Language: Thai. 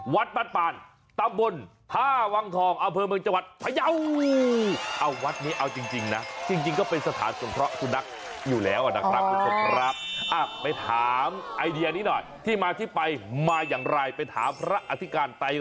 วัดปรรตาบุ่นท่าวางทองอาเภอเมืองจาก